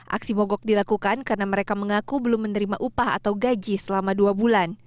aksi mogok dilakukan karena mereka mengaku belum menerima upah atau gaji selama dua bulan